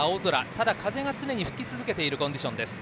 ただ、風が常に吹き続けているコンディションです。